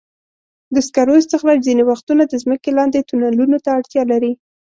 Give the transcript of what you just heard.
د سکرو استخراج ځینې وختونه د ځمکې لاندې تونلونو ته اړتیا لري.